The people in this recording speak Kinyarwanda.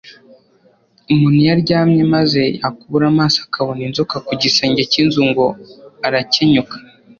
Umuntu iyo aryamye, maze yakubura amaso akabona inzoka ku gisenge cy’inzu, ngo arakenyuka